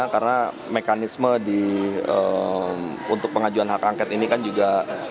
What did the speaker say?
karena mekanisme untuk pengajuan hak angket ini kan juga